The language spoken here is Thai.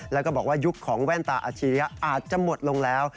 แล้วก็บอกว่ายุคของแว่นตาอาชียะอาจจะหมดลงแล้ว